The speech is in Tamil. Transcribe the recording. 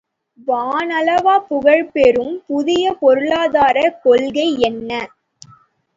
வானளாவப் புகழப் பெறும் புதிய பொருளாதாரக் கொள்கை என்ன?